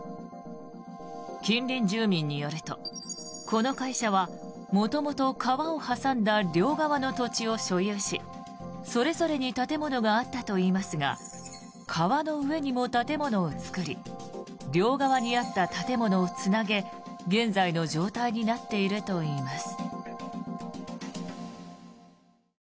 近隣住民によるとこの会社は元々川を挟んだ両側の土地を所有しそれぞれに建物があったといいますが川の上にも建物を作り両側にあった建物をつなげ現在の状態になっているといいます。